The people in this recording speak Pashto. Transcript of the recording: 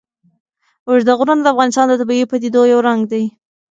اوږده غرونه د افغانستان د طبیعي پدیدو یو رنګ دی.